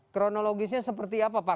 kronologisnya seperti apa pak